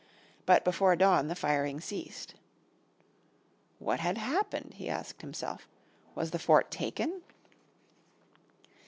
But before dawn the firing ceased. "What had happened," he asked himself, "was the fort taken?"